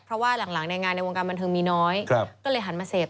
เพราะว่าหลังในงานในวงการบันเทิงมีน้อยก็เลยหันมาเสพ